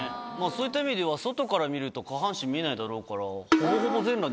そういった意味では外から見ると下半身見えないだろうから。